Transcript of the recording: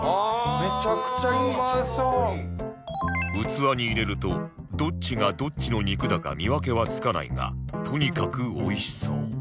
器に入れるとどっちがどっちの肉だか見分けはつかないがとにかくおいしそう